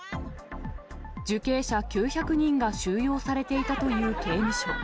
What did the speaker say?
受刑者９００人が収容されていたという刑務所。